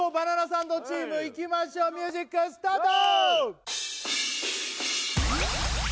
サンドチームいきましょうミュージックスタート！